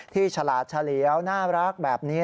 ฉลาดเฉลียวน่ารักแบบนี้